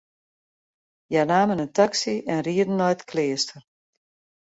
Hja namen in taksy en rieden nei it kleaster.